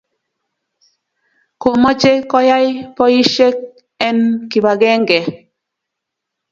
komache koyai poishek en kibagenge